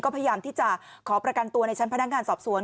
พยายามที่จะขอประกันตัวในชั้นพนักงานสอบสวน